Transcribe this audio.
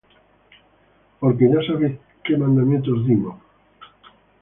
Porque ya sabéis qué mandamientos os dimos por el Señor Jesús.